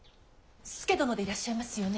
佐殿でいらっしゃいますよね。